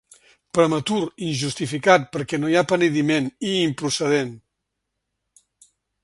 Prematur, injustificat perquè no hi ha penediment, i improcedent.